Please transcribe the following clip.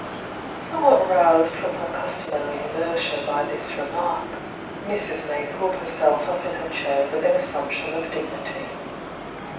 Somewhat roused from her customary inertia by this remark, Mrs. May pulled herself up in her chair with an assumption of dignity.